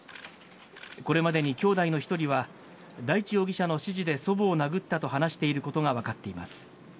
これまでにきょうだいの１人は、大地容疑者の指示で祖母を殴ったと話していることが分かっています。